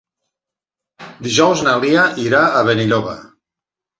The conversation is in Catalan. Dijous na Lia irà a Benilloba.